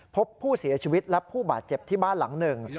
พบผู้เสียชีวิตและผู้บาดเจ็บที่บ้านหลังหนึ่ง